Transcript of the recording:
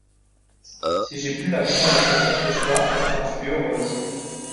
Si j’ai pu l’apprendre à quelqu’un ce soir, j’en suis heureuse.